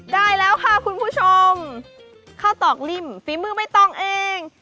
ได้แล้วค่ะคุณผู้ชมข้าวตอกลิ่มฝีมือไม่ต้องเอง